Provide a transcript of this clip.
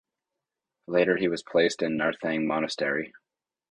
Later he was placed in Narthang Monastery.